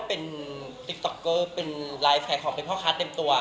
เป็นติ๊กต๊อกเกอร์เป็นรายแข่งของมีพ่อค้าเต็มตัว